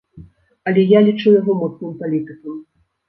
Але я лічу яго моцным палітыкам.